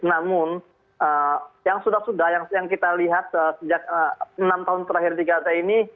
namun yang sudah sudah yang kita lihat sejak enam tahun terakhir di gaza ini